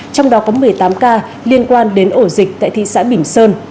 trong đó có một mươi tám ca liên quan đến ổ dịch tại thị xã bình sơn